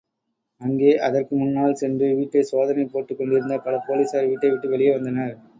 அங்கே அதற்கு முன்னால் சென்று வீட்டைச் சோதனை போட்டுக் கொண்டிருந்த பல போலிஸார் வீட்டை விட்டு வெளியே வந்தனர்.